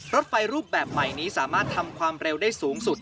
รถไฟรูปแบบใหม่นี้สามารถทำความเร็วได้สูงสุด